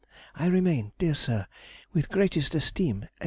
I remain, dear sir, With greatest esteem, &c.